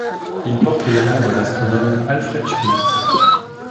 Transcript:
Il porte le nom de l'astronome Alfred Schmitt.